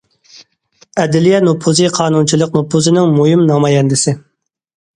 ئەدلىيە نوپۇزى قانۇنچىلىق نوپۇزىنىڭ مۇھىم نامايەندىسى.